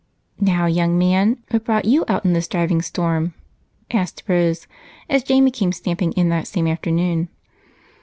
"Now, young man, what brought you out in this driving storm?" asked Rose as Jamie came stamping in that same afternoon.